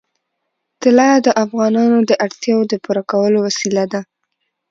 طلا د افغانانو د اړتیاوو د پوره کولو وسیله ده.